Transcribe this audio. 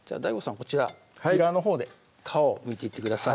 こちらピーラーのほうで皮をむいていってください